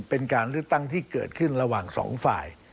เป็นการเลือกตั้งที่เกิดขึ้นระหว่างสองฝ่าย